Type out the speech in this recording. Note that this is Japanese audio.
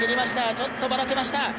ちょっとばらけました！